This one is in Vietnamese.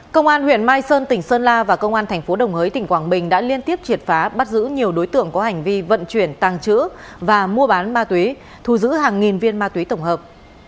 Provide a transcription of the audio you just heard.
công an huyện mai sơn tỉnh sơn la và công an thành phố đồng hới tỉnh quảng bình đã liên tiếp triệt phá bắt giữ nhiều đối tượng có hành vi vận chuyển tàng trữ và mua bán ma túy thu giữ hàng nghìn viên ma túy tổng hợp